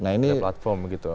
nah ini platform gitu